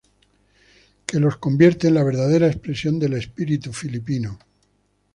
Que los convierte en la verdadera expresión del espíritu filipino.